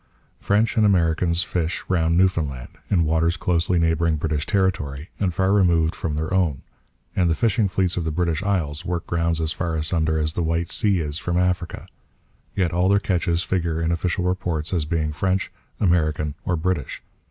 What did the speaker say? French and Americans fish round Newfoundland, in waters closely neighbouring British territory and far removed from their own; and the fishing fleets of the British Isles work grounds as far asunder as the White Sea is from Africa. Yet all their catches figure in official reports as being French, American, or British.